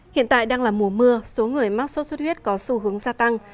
hiện tại đang là mùa mưa số người mắc sốt xuất huyết có xu hướng gia tăng